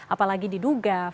apalagi diduga firly bahuri